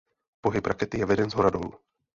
Pohyb rakety je veden shora dolů.